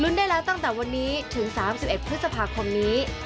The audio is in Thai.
ได้แล้วตั้งแต่วันนี้ถึง๓๑พฤษภาคมนี้